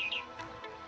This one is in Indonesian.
ini udah kaget